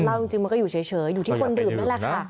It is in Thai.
เหล้าจริงมันก็อยู่เฉยอยู่ที่คนดื่มนั่นแหละค่ะ